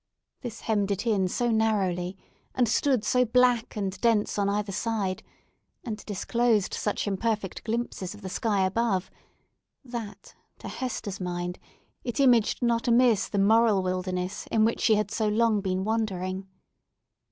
This hemmed it in so narrowly, and stood so black and dense on either side, and disclosed such imperfect glimpses of the sky above, that, to Hester's mind, it imaged not amiss the moral wilderness in which she had so long been wandering.